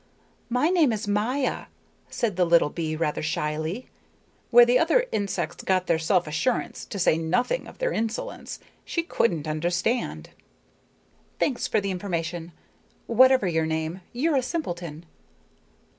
"My name is Maya," said the little bee rather shyly. Where the other insects got their self assurance, to say nothing of their insolence, she couldn't understand. "Thanks for the information. Whatever your name, you're a simpleton."